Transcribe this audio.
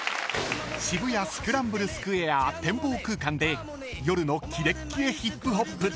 ［渋谷スクランブルスクエア天望空間で夜のキレッキレヒップホップ］